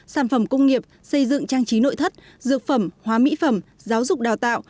sản phẩm công nghiệp xây dựng trang trí nội thất dược phẩm hóa mỹ phẩm giáo dục đào tạo